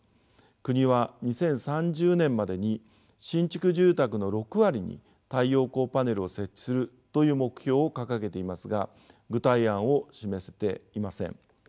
国は「２０３０年までに新築住宅の６割に太陽光パネルを設置する」という目標を掲げていますが具体案を示せていません。